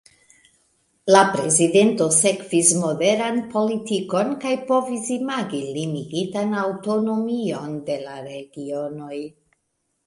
La prezidento sekvis moderan politikon kaj povis imagi limigitan aŭtonomion de la regionoj.